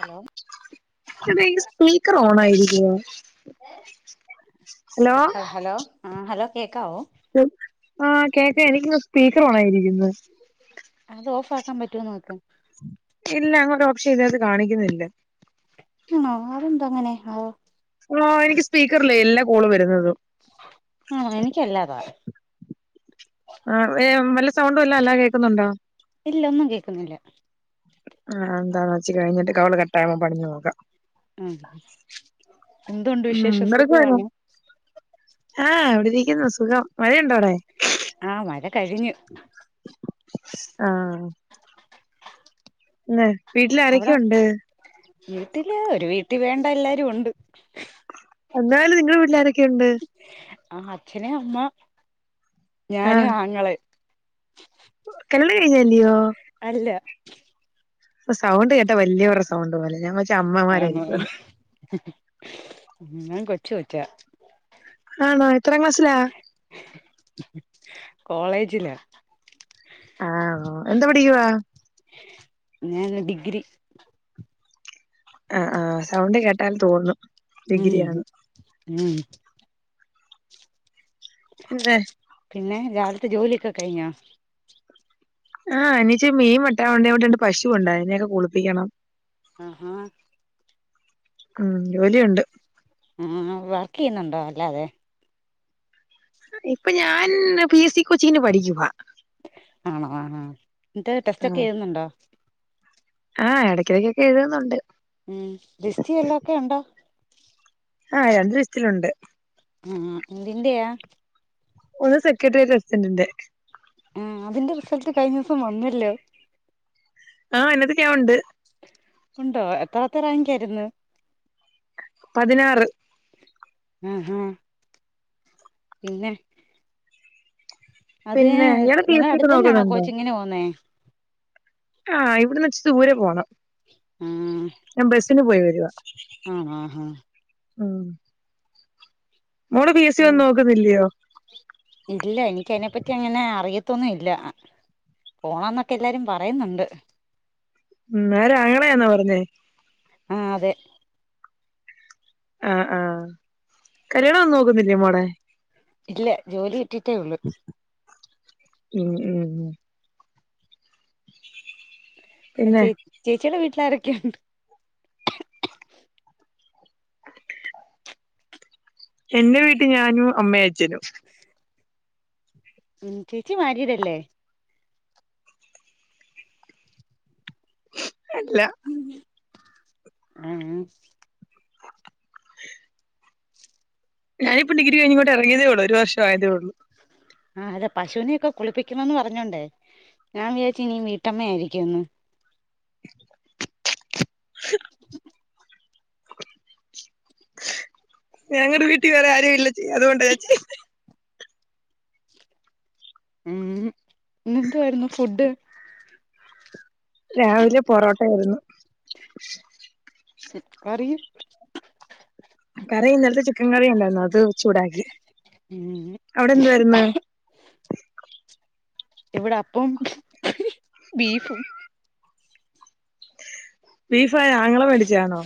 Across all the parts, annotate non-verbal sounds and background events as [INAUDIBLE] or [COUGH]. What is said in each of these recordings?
Hello അതേ ഈ speaker ഓണായി ഇരിക്കുവാ. എ ഹലോ ആഹ് ഹലോ കേക്കാവോ? ആഹ് കേക്കാം എനിക്ക് വടെ സ്പീക്കറോണായിരിക്കുന്ന്. അതോഫാക്കാൻ പറ്റോ ന്നോക്ക് ഇല്ല അങ്ങനൊരു ഓപ്ഷൻ ഇതിനകത്ത് കാണിക്കുന്നില്ല. ഉം ആതെന്താ അങ്ങനെ ആവോ. ഓഹ് എനിക്ക് സ്പീക്കറിലേ എല്ലാ കോളും വരുന്നതും. ആഹ് എനിക്കല്ലാതാ ആഹ് വേം വല്ല സൗണ്ടു അല്ല അല്ലാ കേക്കുന്നുണ്ടോ? ഇല്ല ഒന്നും കേക്കുന്നില്ല. ആഹ് ന്താന്ന്‌ വച്ച് കഴിഞ്ഞിട്ട് കോള് കട്ടായുമ്പ പ്പണിഞ്ഞു നോക്കാ ഉം എന്തുണ്ട് ഉം വിശേഷം സുഗ എന്തെടുക്കുവായിരുന്നു വാണോ? ആഹ് വിടിരിക്കുന്നു സുഖം മഴയുണ്ടോ അവടെ? ആ മഴകഴിഞ്ഞ്. ആഹ് ന്നെ അവിട വീട്ടില് ഒരു വീട്ടി വേണ്ട എല്ലാരു ഉണ്ട് എന്നാലും നിങ്ങളെ വീട്ടിലാരൊക്കെ ഉണ്ട്? ആഹ് അച്ഛന്, അമ്മ, ഞാനു, ആഹ് ആങ്ങളെ കെള്ള് കയിഞ്ഞല്ലിയോ അല്ല പ സൗണ്ട് കേട്ടാ വല്ല്യവറെ സൗണ്ട്പോലെ ആണോ ഞാൻ കൊച്ചു കുറ്റ്യാ ആണോ എത്രാം ക്ലാസിലാ? കോളേജിലാ. ആഹ് ഒ എന്താ പഠിക്കുവാ? ഞാനൊ ഡിഗ്രി ആഹ് ആഹ് സൗണ്ട് കേട്ടാൽ തോന്നും ഉം ഡിഗ്രിയാന്ന് ഉം ഊ ഏന്തേ പിന്നെ രാവിലത്തെ ജോലിയൊക്കെ കഴിഞ്ഞോ ആഹ് എനച്ചി മീൻ വെട്ടാനുണ്ട്, ഇവടെരണ്ടുപശുണ്ട് അതിനെയൊക്കെ കുളിപ്പിക്കണം ആ ഹാ ഉം ജോലിയുണ്ട് ആ വർക്ക് ചെയ്യുന്നുണ്ടോ അല്ലാതെ ഇപ്പൊ ഞാൻ പി എസ് സി കൊച്ചിങ്ങിന് പഠിക്കുവാ ആണോ ആണോ, ന്നിട്ട്ടെസ്റ്റ്‌ഒക്കെ എഴുതുന്നുണ്ടോ ആഹ് ഇടയ്ക്കിടക്കൊക്കെ എഴുതുന്നുണ്ട് ഉം ദിസ്റ്റി എല്ലാം ഒക്കെ ഉണ്ടോ ആ രണ്ട് ലിസ്റ്റിലുണ്ട് ആ എന്തിന്റെയാ ഒന്ന് സെക്രട്ടേറിയേറ്റ് പ്രസിഡന്ണ്ട് ആ അതിന്റെ റിസൾട്ട് കഴിഞ്ഞീസം വന്നല്ലേ ആഹ എന്നത്തൊക്കെ നൻ ഉണ്ട് ഉണ്ടോ എത്രത്തെ റാങ്ക് ആയിരുന്നു പതിനാറ് ആഹ് അഹ്‌ പിന്നെ അത് പിന്നെ ഇയാള് പി എസ് സി ഒക്കെ നിങ്ങലാടുതെന്നെയാണോ നോക്കുന്നുണ്ടോ കോച്ചിങ്ങിന്പോവുന്നെ ആഹ് ഇവിടെന്ന് ഇച്ചു ദൂരെ പോണം ആഹ് ഞാൻ ബസിന് പോയി വരുവാ ആണേ ആഹ ആഹ് മോൾ ബി എസ് സി ഒന്നും നോക്കുന്നില്ലയോ ഇല്ല എനിക്ക അതിനെപ്പറ്റി അങ്ങനെ അറിയത്തൊന്നും ഇല്ല പോണം എന്നൊക്കെ എല്ലാരും പറയുന്നുണ്ട് ഉം നേരെ അങ്ങളയാണോ പറഞ്ഞെ ആ അതെ ആഹ് ആഹ് കല്യാണം ഒന്നു നോക്കുന്നില്ലേ മോളെ ഇല്ല. ജോലി കിട്ടിയിട്ടേ ഒള്ളൂ. ഉം ഉം. [INAUDIBLE] [UNINTELLIGIBLE] പിന്നെ ചേച്ചീടെ വീട്ടിലാരൊക്കെയുണ്ട്? എന്റെ വീട്ടിൽ ഞാനും അമ്മയയച്ഛനും. [INAUDIBLE] ഉം. ചേച്ചി മാരീടല്ലേ? അല്ല. ഉം. ഞാനിപ്പ ഡിഗ്രികഴിഞിങ്ങോട്ടറങ്ങിയതേ ഒള്ളൂ. ഒരു വർഷ ആയതേഒള്ളൂ. ആഹ്. അല്ല പശുനെക്കെ കുളിപ്പിക്കുന്നു പറഞ്ഞോണ്ടേ. ഞാൻ വിചാച്ച് നീ വീട്ടമ്മയായിരിക്കുംന്ന്. [INAUDIBLE] ഞങ്ങടെ വീട്ടിൽ വേറെ ആരും ഇല്ലേച്ചീ. അതോണ്ടാ ഞാൻ ചെയ്ധേ ഉം. ഇന്നെന്തുവായിരുന്നു ഫുഡ്? രാവിലെ പൊറോട്ടയാരുന്നു. കറിയോ? കറി ഇന്നലത്തെ ചിക്കൻ കറി ഉണ്ടായിരുന്നു, അത് ചൂടാക്കി. ഉം അവിടെ എന്തു വായിരുന്നു? ഇവിടെ അപ്പം ബീഫും. ബീഫാരാ ആങ്ങളെ മേടിച്ചയാന്നോ?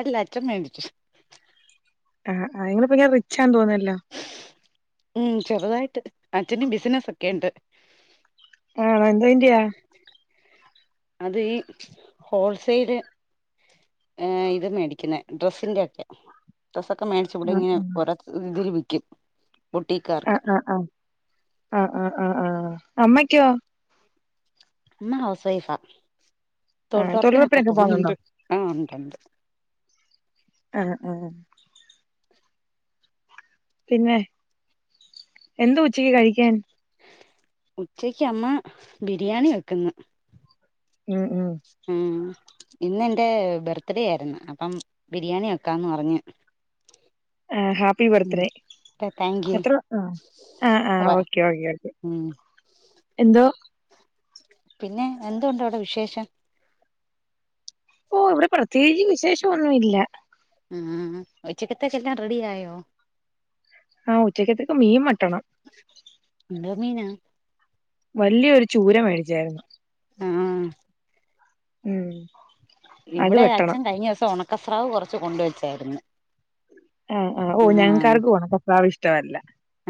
അല്ല അച്ഛൻ മേടിച്ചു ആഹ് ആഹ് നിങ്ങള് പിന്നെ റിച്ചാന്ന് തോന്നുന്നല്ലോ? ഉം ചെറുതായിട്ട്. അച്ഛന് ബിസിനസ്സക്കെയിണ്ട്. ആണോ? എന്തേന്റയാ? അത് ഈ ഹോൾസെയില്. ഇത് മേടിക്കുന്ന. ഡ്രസ്സിന്റെ ഒക്കെ. ഡ്രസ്സൊക്കെ മേടിച്ച് ആഹ് ഇവിഡിങ്ങ് ഓരോ ഇതില് വിക്കും. ആഹ് ആഹ് ആഹ് ആഹ ആഹ് ആഹ് ആഹ് അമ്മക്കോ? അമ്മ ഹൗസ് വൈഫാ. ആഹ് തൊഴിലൊറപ്പിനൊക്കെ തൊഴിലുറപ്പിനൊക്കെ പോന്നുണ്ടോ പോന്നുണ്ട്. ആ ഉണ്ട്‌ ഉണ്ട്. ആഹ് ആഹ് പിന്നെ? എന്താ ഉച്ചയ്ക്ക് കഴിക്കാൻ? ഉച്ചക്ക് അമ്മ ബിരിയാണി വെക്കുന്നു. ഉം ഉം. ഉം ഇന്നെന്റെ ബർത്ത്ഡേ ആയിരുന്നു. അപ്പം ബിരിയാണി വക്കാന്ന് പറഞ്ഞ് ആഹ് happy birth um day. Thank you അത്ര? ആഹ് ആഹ് ആഹ് ഓക്കെ ഓക്കെ ഓകെ ഉം എന്തോ? പിന്നെ എന്തുണ്ടവിടെ വിശേഷം? ഓ ഇവിടെ പ്രത്യേകിച്ച് വിശേഷംന്നുല്ല. മ് ഉച്ചയ്ക്കത്തേക്കെല്ലാം റെഡിയായോ? ആഹ് ഉച്ചയ്ക്കത്തേക്ക് മീൻ വെട്ടണം. എന്തോ മീനാ? വല്ല്യയൊരു ചൂര മേടിച്ചായിരുന്നു. ആഹ് ഉം. അത് ഇവിടെ വെട്ടണം അച്ഛൻ കഴിഞ്ഞസം ഉണക്കസ്രാവ് കുറച്ച് കൊണ്ടുവെച്ചാരുന്ന് ആഹ് ആഹ് ഓ ഞങ്ങക്കാർക്കും ഒണക്ക സ്രാവ് ഇഷ്ടല്ല.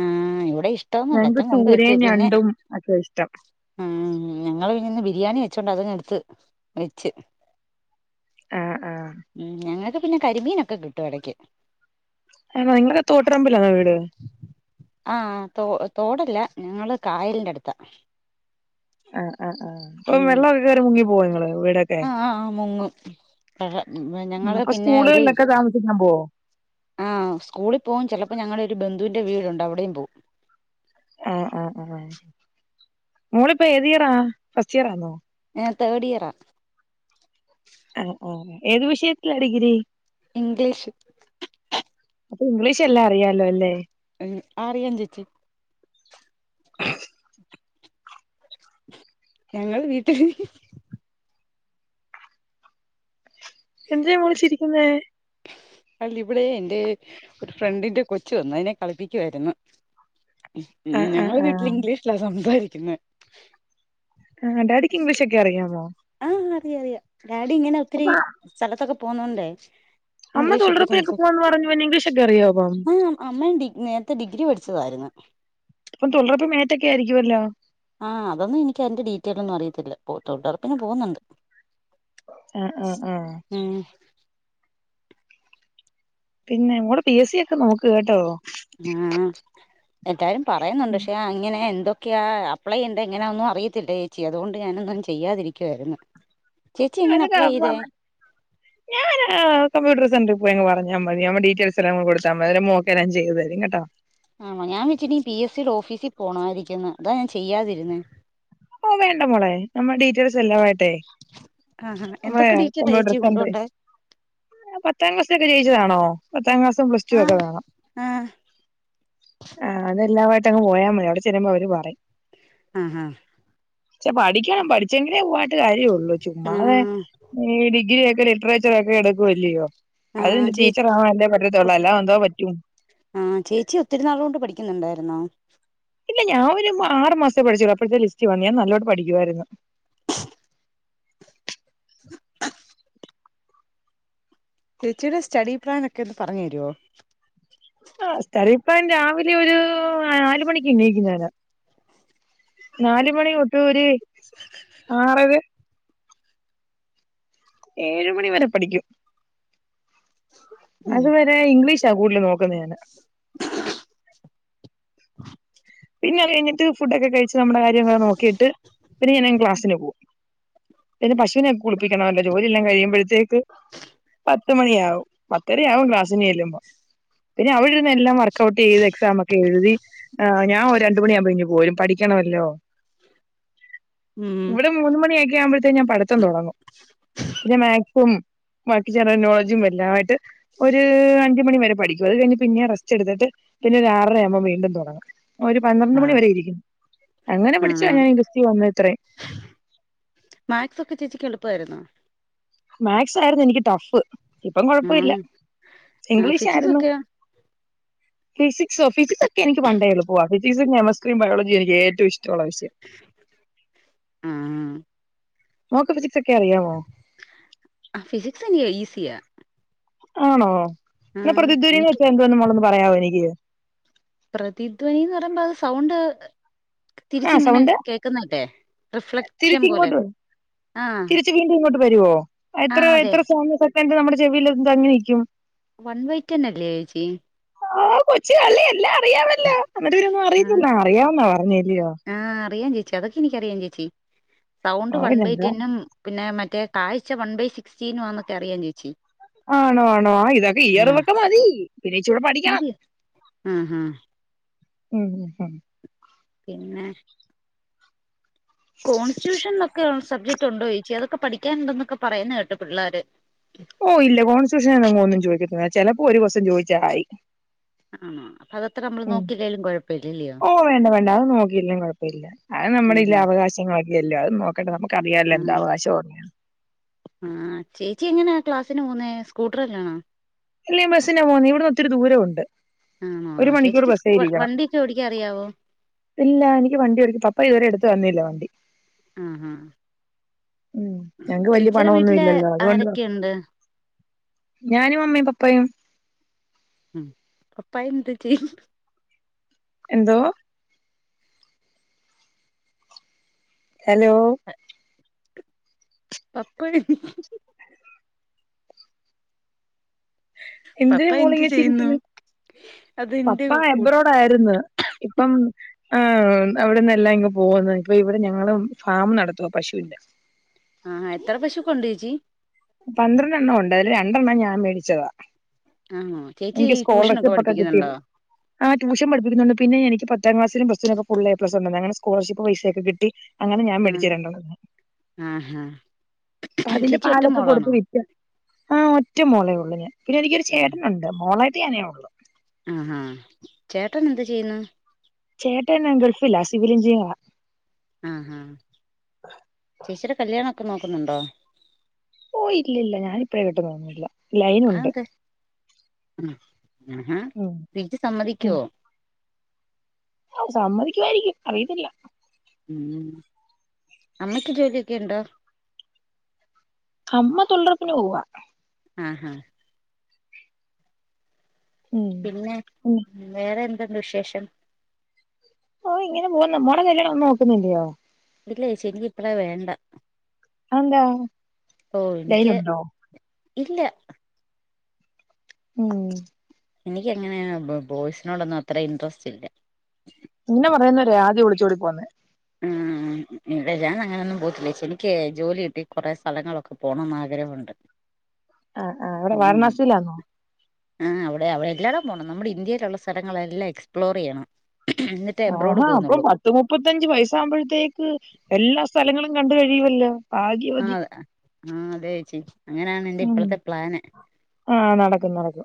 ആഹ് ഇവിടെ ഇഷ്ടോന്നല്ല അച്ഛൻ കൊണ്ട്‌വെച്ചു ചൂരയും പിന്നെ ഞണ്ടും ഒക്കെ ഇഷ്ടം ഉം ഞങ്ങള് പിന്നിന്ന് ബിരിയാണി വെച്ചോണ്ട് അതങ്ങ് എടുത്ത് വെച്ച്. ആ ആ ഉം ഞങ്ങക്ക് പിന്നെ കരിമീനൊക്കെ കിട്ടും എടക്ക്. ആണോ നിങ്ങടെ തോട്ട് രമ്പിലാന്നോ വീട് ആഹ് തോ തോടല്ല ഞങ്ങള് കായലിന്റെ അടുത്താ ആഹ് ആഹ് ആഹ് അപ്പം ഉം വെള്ളം ഒക്കെക്കേറി മുങ്ങി പോവോ നിങ്ങള് വീടെ ആഹ് ആഹ് മുങ്ങും ആ, ഞങ്ങള് അപ്പൊ പിന്നെ ഒരു സ്കൂളുകളിലൊക്കെ ഇസം താമസിക്കാൻ പോവോ ആഹ് സ്കൂളി പോവും ചെലപ്പോ ഞങ്ങളെരു ബന്ധുവിന്റെ വീടുണ്ട് അവിടെയും പോവും ആഹ് ആഹ് ആഹ് മോളിപ്പോ ഏതിയറാ ഫസ്റ്റ് ഇയർ ആന്നോ ഞാൻ തേഡ് ഇയറാ ആഹ് ആഹ് ഏത് വിഷയത്തിലാ ഡിഗ്രി ഇംഗ്ലീഷ് അപ്പൊ ഇംഗ്ലീഷെല്ലാം അറിയാലോ അല്ലേ. ഉം അറിയാം ചേച്ചി ഞങ്ങള് വീട്ടില് എന്തിനാ മോള് ചിരിക്കുന്നേ അല്ല ഇവിടേ എന്റെ ഒരു ഫ്രണ്ടിന്റെ കൊച്ചു വന്നു അതിനെ കളിപ്പിക്കുവായിരുന്നു. ആ ഉം ആ ഞങ്ങള് ആ വീട്ടില് ഇംഗ്ലീഷിലാ സംസാരിക്കുന്നെ. ആഹ് ഡാഡിക്ക് ഇംഗ്ലീഷൊക്കെ അറിയാമോ? ആഹ് അറിയാ അറിയാം. ഡാഡി ഇങ്ങനെ ഒത്തിരി അപ്പൊ സ്ഥലത്തൊക്കെ പോവ്ന്നോണ്ടേ. അമ്മ ഇംഗ്ലീഷൊക്കെ തൊഴിലുറപ്പിനൊക്കെ പോവാന്ന് പറഞ്ഞു പിന്നെ ഇംഗ്ലീഷ് ഒക്കെ [UNINTELLIGIBLE] അറിയോ അപ്പം ആഹ് അമ്മയും ഡി നേ ത്തെ ഡിഗ്രി പഠിച്ചതായിരുന്ന്. ഇപ്പം തൊഴിലൊറപ്പി മേറ്റൊക്കെ ആയിരിക്കുവല്ലോ. ആഹ് അതൊന്നും എനിക്ക് അയിന്റെ ഡീറ്റെയിലൊന്നും അറിയത്തില്ല പോ തൊഴിലൊറപ്പിന് പോവുന്നുണ്ട്. ആഹ് ആഹ് ആഹ് ഉം പിന്നെ മോള് പി എസ് സി ഒക്കെ നോക്ക് കേട്ടോ. ആഹ് എല്ലാരും പറയന്നൊണ്ട് പക്ഷെ അങ്ങനെയാ എന്തൊക്കെയാ അപ്ലൈ ചെയ്യണ്ടേ എങ്ങനാനൊന്നും അറിയത്തില്ലേ ച്ചി അതുകൊണ്ട് ഞാനൊന്നും ചെയ്യാതിരിക്കുവായിരുന്ന്. അത് കാര്ണവാന്നേ ഞാന് കമ്പ്യൂട്ടർ സെന്ററി പോയങ്ങ് പറഞ്ഞാ മതി നമ്മ ഡീറ്റയിൽസ് എല്ലാം കൂടെ കൊടുത്താ മതി അവര് മോക്കെല്ലാം ചെയ്തുതരും കേട്ടോ. ആണോ. ഞാൻ വിചാരിച്ച് ഇനി പി എസീടെ ഓഫീസി പോണവായിരിക്കുംന്ന്. അതാ ഞാൻ ചെയ്യാതിരുന്നേ. ഓഹ് വേണ്ട മോളെ നമ്മുടെ ഡീറ്റെയിൽസ് എല്ലാവായിട്ടെ ആഹാ നമ്മളെ എന്തൊക്കെ ഡീറ്റെയിലാ കമ്പ്യൂട്ടർ ചേച്ചി സെൻ്ററി കൊണ്ടുപോണ്ടേ പത്താം ക്ലാസ്സിലൊക്കെ ജയിച്ചതാണോ പത്താം ക്ലാസ്സും പ്ലസ് ടു ഒക്കെ ആഹ് വേണം. ആഹ് അതെല്ലാവായിട്ടങ്ങ് പോയാ മതി അവിടെ ചെല്ലുമ്പോ അവര് പറയും. ആഹ് ഹാ ച്ചെ പഠിക്കണം പഠിച്ചെങ്കിലേ പോയിട്ട് കാര്യ ഉള്ളൂ ആഹ് ചുമ്മാതേ ഈ ഡിഗ്രിയൊക്കെ ലിറ്ററേച്ചർ ഒക്കെ എടുക്കുവല്ലയോ ആഹ് അതിന്ണ്ട് ചേ ടീച്ചർ ആവാനല്ലേ പറ്റത്തൊള്ളൂ അല്ലാതെന്തോ പറ്റും. ആഹ് ചേച്ചി ഒത്തിരി നാളുകൊണ്ട് പഠിക്കുന്നുണ്ടായിരുന്നോ. ഇല്ല ഞാ ഒരു ആറ് മാസേ പഠിച്ചൊള്ളൂ അപ്പഴ്ത്തെ ലിസ്റ്റി വന്ന്. ഞാൻ നല്ലോട്ട് പഠിക്കുവായിരുന്ന്. ചേച്ചീടെ സ്റ്റഡി പ്ലാൻ ഒക്കെ ഒന്ന് പറഞ്ഞു തരുവോ? ആഹ് സ്റ്റഡി പ്ലാൻ രാവിലെ ഒരു നാല് മണിക്ക് ഇണീക്കും ഞാന്. നാല് മണി തൊട്ട് ഒര് ആറര ഏഴ് മണി വരെ പഠിക്കും. അതുവ രേ ഇംഗ്ലീഷാ കൂടുതല് നോക്കുന്നത് ഞാന്. പിന്നെ അത് കയ്ഞ്ഞിട്ട് ഫുഡൊക്കെ കഴിച്ച് നമ്മടെ കാര്യങ്ങൾ നോക്കീട്ട് പിന്നെ ഞാനങ്ങു ക്ലാസിന് പോവും. പിന്നെ പശുവിനെ ഒക്കെ കുളിപ്പിക്കണോല്ലോ ജോലിയെല്ലാം കഴിയുമ്പഴ്ത്തേക്ക് പത്ത് മണിയാവും. പത്തെരയാവും ക്ലാസ്സിന് ചെല്ലുമ്പം. പിന്നെ ഔട്ന്നെല്ലാം വർക്കഔട്ട് ചെയ്ത് എക്സാമൊക്കെ എഴുതി ഞാൻ ഒര് രണ്ടു മണിയാവുമ്പൊ ഇങ് പോരും. പഠിക്കണ്വല്ലോ. ഉം ഇവിടെ മൂന്ന് മണിയൊക്കെ ആവുമ്പഴത്തേനും ഞാൻ പഠിത്തം തൊടങ്ങും. പിന്നെ മാക്സും. ബാക്കി ജനറൽനോളജും എല്ലായിട്ട്. ഒരു അഞ്ച് മണി വരെ പഠിക്കും അത് കഴിഞ്ഞ് പിന്നെ റെസ്റ്റ് ഇടുത്തിട്ട് പിന്നെ ഒരു ആറര ആകുമ്പ വീണ്ടും തൊടങ്ങും ഒരു പന്ത്രണ്ട് മണി ആഹ് വരെ ഇരിക്ക്യും. അങ്ങനെ പഠിച്ചാ ആഹ് ഞാൻ ഈ ലിസ്റ്റീ വന്നത്രെ. മാക്സൊക്കെ ചേച്ചിക്ക് എളുപ്പമായിരുന്നോ മാക്സ് ആയിരുന്നു എനിക്ക് ടഫ്. ഇപ്പം കൊഴപ്പില്ല ആഹ് ആഹ് ഫിസിക്സ് ഇംഗ്ലീഷായിരുന്നു ഒക്കെയോ ഫിസിക്സോ ഫിസിക്സൊക്കെ എനിക്ക് ക് പണ്ടേ എളുപ്പവാ ഫിസിക്സും കെമസ്ട്രിയും ബയോജിയും എനിക്ക് ഏറ്റവും ഇഷ്ടുള്ള വിഷയം ആ മോക്ക് ഫിസിക്സൊക്കെ അറിയാവോ ആ ഫിസിക്സ് എനിക്ക് ഈസിയാ ആണൊ. എന്ന ആഹ് പ്രതിധ്വനി ന്ന് എനിക്ക് വെച്ചാ എന്തോന്നാ മോളൊന്ന് പറയാമോ എനിക്ക് പ്രതിധ്വനി ഇന്ന് പറയുമ്പോ അത് സൗണ്ട് തിരിച്ച ആ പ.. കേക്ക്ങ്ങനെ സൗണ്ട് കേൾക്കുന്നല് െ റിഫ്ലക്ഷൻ പോലെ തിരിച്ചിങ്ങോട്ട് വരും ആഹ് തിരിച്ച് വീണ്ടും ഇങ്ങോട്ട് വരരോഎത്ര ആഹ് അതെ എത്ര സമയം സെക്കണ്ട് നമ്മുടെ ചെവില് എ തങ്ങി നിക്കും വൺ വെടെൻ അല്ലേച്ചി. ആ കൊച്ചുകള്ളി എല്ലാം അറിയാമല്ലോ. എനിട്ട് പിന്നെ ഒന്നും അറിയത്തില്ല ആ അറിയാവന്നാ പറഞ്ഞല്ലയോ ആ അറിയാ... പരി ചേച്ചി അതൊക്കെ എനിക്കറിയാാം ചേച്ചി സൗണ്ട് ആ വൺ ബൈ പിന്നെന്താ ടെന്നും പിന്നെ മറ്റെ കാഴ്ച വൺ ബൈ സിക്സ്റ്റീനന്നൊക്കെ അറിയം ചേച്ചി ആണോ ആണോ ആ ഇതൊക്കെ ആഹ് ഈയറ്റ്റ്വെക്കെ മതി പിന്നേ ഇച്ചിടെ പഠിക്കണം. മതി ആഹ് ആഹ് ഉം പിന്നെ കോൺസ്റ്റസ്റ്റിറ്റ്യൂഷനൊക്കെ സബ്ജക്റ്റ് ഉണ്ടോ ഏച്ചി അതൊക്കെ പഠിക്കാനുണ്ടന്നൊക്ക പ പറയുന്നത് കേട്ടെ പിള്ളേര് ഓ ഇല്ല കോൺസ്റ്റിറ്റ്യൂഷൻ ഒന്നും ചോദിക്കില്ല ചെലപ്പോ ഒരു കോസ്റ്റൈൻ ചോയിച്ചാലായി ആണോ അപ്പൊ അതത്ര നമ്മള് ഉംഉം. നോക്കില്ലേലും കുഴപ്പമില്ലല്ലയോ വേണ്ട വേണ്ട അത് നോക്കില്ലേം കൊഴപ്പല്ല. അത് നമ്മുള് ഇല്ല ആഹ് അവകാശങ്ങളൊക്കെ അല്ലെ. അത്. നോക്കട്ടെ ' നമുക്ക് അറിയാല്ലോ എന്ത അവകാശം ഓങ്ങിയാണ് ആ ചേച്ചി എങ്ങനെയാ ക്ലാസ്സിന് പോന്നേ സ്കൂട്ടർന്നാണോ ലൈൻ ബസ്റ്റാണ് ബസ്സിനെ പോകുന്നെ ഇവിടെന്ന് ഒത്തിരി ദൂരംണ്ട് ആണോ ചേച്ചിക്ക് സ്കു വണ്ടിയൊക്കെ ഓടിക്ക അറിയാവോ ഇല്ല എനിക്ക് വണ്ടി ഓടിക്കാൻ പപ്പ ഇതുവരെ എടുത്ത് തന്നില്ല വണ്ടി ആ ആ ഉം ഞങ്ങക്ക് വല്യ വീട്ടില് പണൊന്നുംല്ലല്ലോ അതുകൊണ്ട് ആരൊക്കെയുണ്ട് ഞാനും അമ്മയും പപ്പയും. ഉം പപ്പായെന്തറ്റി. എന്തൊ ഹലൊ. പപ്പഴ് പപ്പ എന്തിന് മോള്. എന്ത് ചെയ്യുന്നു അങ്ങെനെചിരിക്കുന്നെ. അതെന്റെ പപ്പാ കൂട്ട് എബ്രോടായിര്ന്ന്. ഇപ്പം ആ അവിടെന്നല്ലാം ഇങ് പോന്നു. ഇപ്പൊ ഇവിടെ ഞങ്ങള് ഫാമ് നടത്തുവാ പശുവിന്റെ ആ എത്ര പശൊക്കണ്ട് ചേച്ചി. പന്ത്രണ്ടെണ്ണം ഉണ്ട്. അതില് രണ്ടെണ്ണം ഞാൻ മേടിച്ചതാ.. ആണോ ചേച്ചി എനിക്ക് ട്യൂഷനൊക്കെ സ്കോളർഷിപ്പൊക്കെ പഠിപ്പിക്കുന്നുണ്ടോ കിട്ടിയപ്പൊ ആ ട്യൂഷൻ പഠപ്പിക്കുന്നുണ്ട് പിന്നെനിക്ക് പത്താം ക്ലാസും പ്ലസ് ടുനൊക്കെ ഫുൾ പ്ലസ് ഉണ്ട് അങ്ങനെ സ്കോളർഷിപ്പ് പൈസയൊക്കെ കിട്ടി അങ്ങനെ ഞാൻ ആഹ് മേടിച്ചു രണ്ടെണ്ണം ആഹാ അപ്പ അതിന്റെ ചേച്ചി പാല ഒറ്റ കൊടുത്ത് മോളാണോ വിറ്റു ആ ഒറ്റ മോളേ ഉള്ളൂ ഞാൻ പിന്നെനിക്കൊരു ആഹ് ചേട്ടനുണ്ട് മോളായിട്ട് ഞാനേ ഉള്ളു ആഹാ ചേട്ടൻ എന്ത് ചെയ്യുന്നു ചേട്ടൻ ഗൾഫിലാ സിവിൽ എഞ്ചിനിയറാ ആഹാ ചേച്ചിയുടെ കല്യാണം ഒക്കെ നോക്കുന്നുണ്ടോ? ഓ ഇല്ലില്ല ഞാനിപ്പഴേ കെട്ടുന്നൊന്നില്ല അതെന്തേ ആഹ് ആഹാ ഉം വീട്ടിൽ സമ്മതിക്കോ ഓഹ് സമ്മതിക്കുവായിരിക്കും അറിയത്തില്ല ഉം അമ്മയ്ക്ക് ജോലിയൊക്കെ ഉണ്ടോ അമ്മ തൊഴിലുറപ്പിന് പോവാ ആഹാ ഉം പിന്നെ ഉം വേറെ എന്തുണ്ട് വിശേഷം ഓ ഇങ്ങനെ പോകുന്നു മോടെ കല്യാണം ഒന്നും നോക്കുന്നില്ലയോ വീട്ടിൽ ചോയ്ച്ച് എനിക്ക് ഇപ്പഴേ വേണ്ട അതെന്താ ഓഹ് എനിക്ക് ലൈനുണ്ടോ ഇല്ല ഉം എനിക്കങ്ങനെ ബോയ്സിനോടൊന്നും അത്ര ഇൻട്രസ്റ്റ് ഇല്ല ഇങ്ങനെ പറയുന്നവരാ ആദ്യം ഒളിച്ചോടി പോവുന്നേ ഉം ഇല്ല ഞാൻ അങ്ങനെയൊന്നും പോയിട്ടില്ല എനിക്ക് ജോലി കിട്ടി കൊറെ സ്ഥലങ്ങളൊക്കെ പോകണന്ന് ആഗ്രഹണ്ട് ആഹ് ആഹ് എവിടെ ഉം വാരണാസിയിലാന്നോ ആ അവിടെ അവിടെ എല്ലായിടവും പോണം നമ്മുടെ ഇന്ത്യയിലുള്ള സ്ഥലങ്ങളെല്ലാം എക്സ്പ്ലോർ ചെയ്യണം എന്നിട്ടേ അബ്രോഡ് ആഹാ അപ്പം പോകുന്നുള്ളൂ പത്ത് മുപ്പത്തഞ്ച് വയസ്സാകുമ്പളത്തേക്ക് എല്ലാ സ്ഥലങ്ങളും കണ്ട് കഴിയുവല്ലോ ആഹ് ഭാഗ്യവതി അ ആഹ് അതെ ചേച്ചി അങ്ങനെയാണ് എന്റെ ഉം ഇപ്പഴത്തെ പ്ലാന് ആഹ് നടക്കും നടക്കും